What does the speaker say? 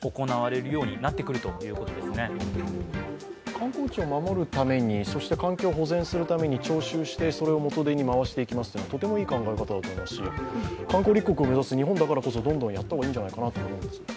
観光地を守るために、環境を保全するために徴収して、それを元手に回していきますというのはとてもいい考え方だと思いますし、観光立国を目指す日本だからこそどんどんやった方がいいんじゃないかなと思いますが。